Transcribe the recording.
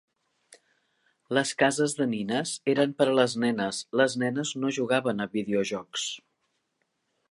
Les cases de nines eren per a les nenes, les nenes no jugaven a videojocs.